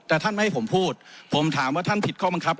แต่ท่านไม่ให้ผมพูดผมถามว่าท่านผิดข้อบังคับ